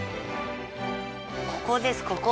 ここですここ！